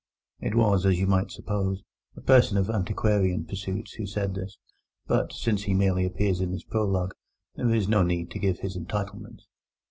It was, as you might suppose, a person of antiquarian pursuits who said this, but, since he merely appears in this prologue, there is no need to give his entitlements.